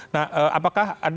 nah apakah anda melihatnya